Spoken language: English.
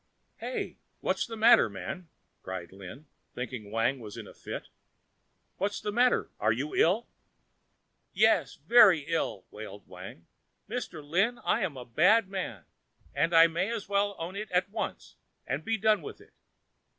"Hey! what's the matter, man?" cried Lin, thinking Wang was in a fit. "What's the matter? Are you ill?" "Yes, very ill," wailed Wang. "Mr. Lin, I'm a bad man, and I may as well own it at once and be done with it.